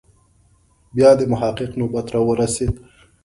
بیا د محقق نوبت راورسېد.